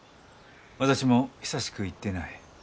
私も久しく行っていない。